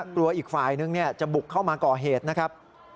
อีกฝ่ายนึงจะบุกเข้ามาก่อเหตุนะครับ